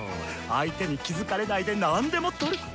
相手に気付かれないで何でもとル！